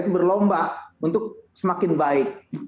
itu berlomba untuk semakin baik